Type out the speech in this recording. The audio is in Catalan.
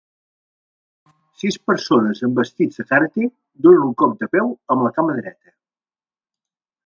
Sis persones amb vestits de karate donen un cop de peu amb la cama dreta.